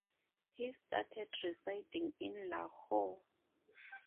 He started residing in Lahore.